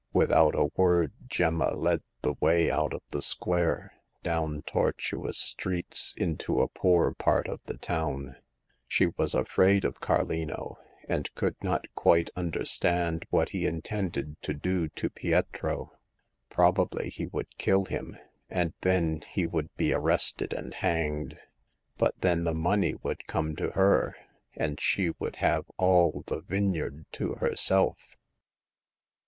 Without a word, Gemma led the way out of the square, down tortuous streets into a poor part of the town. She was afraid of Carlino, and could not quite understand what he intended to do to Pietro. Probably he would kill him ; and then he would be arrested and hanged. But then the money would come to her, and she would have all the vineyard to herself.